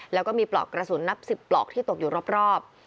แล้วก็มีปลอกกระสุนนับ๑๐ปลอกที่ตกอยู่รอบ